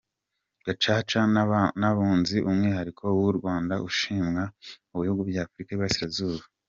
Gacaca n’Abunzi umwihariko w’u Rwanda ushimwa mu bihugu by’Afurika y’Iburasirazuba